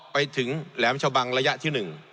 ไปถึงแหลมชะบังระยะที่๑